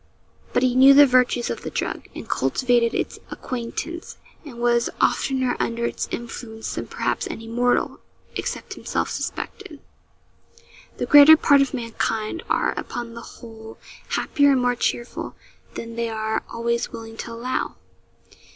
But he knew the virtues of the drug, and cultivated its acquaintance, and was oftener under its influence than perhaps any mortal, except himself, suspected. The greater part of mankind are, upon the whole, happier and more cheerful than they are always willing to allow.